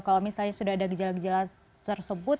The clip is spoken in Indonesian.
kalau misalnya sudah ada gejala gejala tersebut